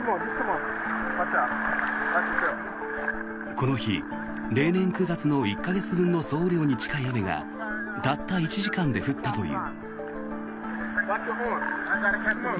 この日、例年９月の１か月分の総雨量に近い雨がたった１時間で降ったという。